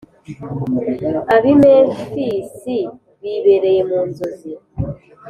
ab’i Memfisi bibereye mu nzozi,